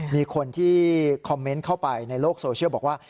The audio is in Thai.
มีคนที่คอมเมนต์เข้าไปในโลกโซเชียลบอกว่า